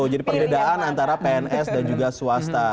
jadi perbedaan antara pns dan juga swasta